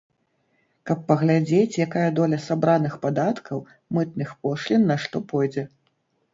Каб паглядзець, якая доля сабраных падаткаў, мытных пошлін на што пойдзе.